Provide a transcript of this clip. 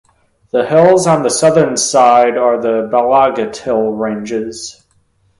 The hills on the southern side are the Balaghat Hill ranges.